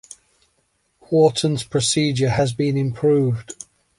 Wharton's procedure has been improved.